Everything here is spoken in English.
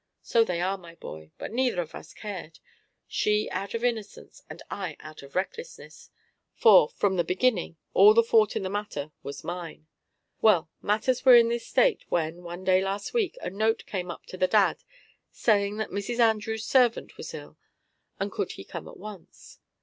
So they are, my boy: but neither of us cared, she out of innocence and I out of recklessness, for from the beginning all the fault in the matter was mine. Well, matters were in this state when one day last week a note came up to the Dad saying that Mrs. Andrews' servant was ill, and would he come at once.